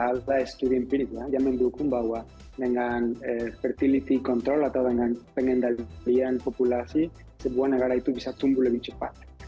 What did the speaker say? gak ada yang sudah empirik ya yang mendukung bahwa dengan fertility control atau dengan pengendalian populasi sebuah negara itu bisa tumbuh lebih cepat